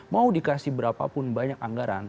mau dikasih berapa pun banyak anggaran